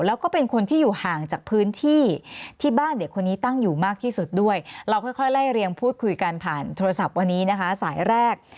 แล้วก็เป็นคนที่อยู่ห่างจากพื้นที่ที่บ้านเด็กคนนี้ตั้งอยู่มากที่สุดด้วยเราค่อยไล่เรียงพูดคุยกันผ่านโทรศัพท์วันนี้นะคะสายแรก